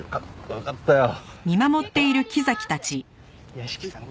屋敷さん